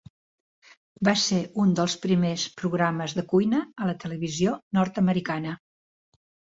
Va ser un dels primers programes de cuina a la televisió nord-americana.